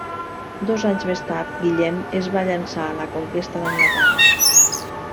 Dos anys més tard, Guillem es va llançar a la conquesta d'Anglaterra.